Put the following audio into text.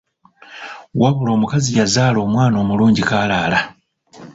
Wabula omukazi yazaala omwana omulungi kaalaala.